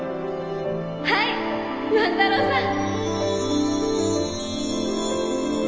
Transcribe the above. はい万太郎さん！